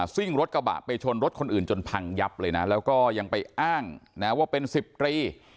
ซิ่งรถกระบะไปชนรถคนอื่นจนพังยับเลยนะแล้วก็ยังไปอ้างนะว่าเป็นสิบตรี